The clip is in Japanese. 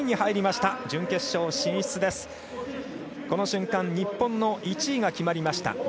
この瞬間日本の１位が決まりました。